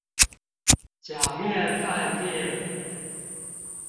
假面飯店